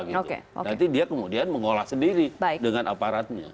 nanti dia kemudian mengolah sendiri dengan aparatnya